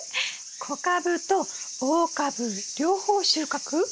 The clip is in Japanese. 小株と大株両方収穫？